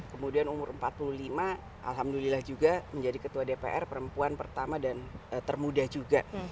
kemudian umur empat puluh lima alhamdulillah juga menjadi ketua dpr perempuan pertama dan termuda juga